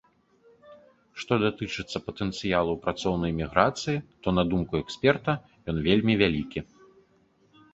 Што датычыцца патэнцыялу працоўнай міграцыі, то, на думку эксперта, ён вельмі вялікі.